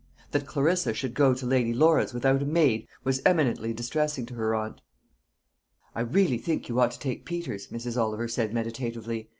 That Clarissa should go to Lady Laura's without a maid was eminently distressing to her aunt. "I really think you ought to take Peters," Mrs. Oliver said meditatively.